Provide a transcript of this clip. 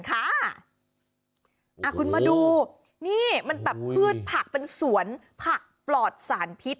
คุณมาดูนี่มันแบบพืชผักเป็นสวนผักปลอดสารพิษ